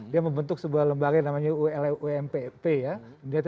dia membentuk sebuah lembaga yang namanya umpp ya